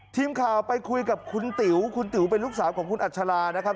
ทีมข่าวไปคุยกับคุณติ๋วคุณติ๋วเป็นลูกสาวของคุณอัชรานะครับ